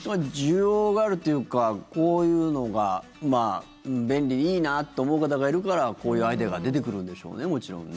需要があるというかこういうのが便利でいいなと思う方がいるからこういうアイデアが出てくるんでしょうね。